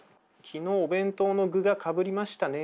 「昨日お弁当の具がかぶりましたね」